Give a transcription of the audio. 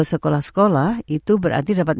sekolah sekolah itu berarti dapat